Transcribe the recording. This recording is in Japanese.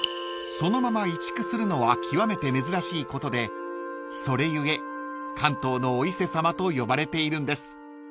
［そのまま移築するのは極めて珍しいことでそれ故関東のお伊勢さまと呼ばれているんです］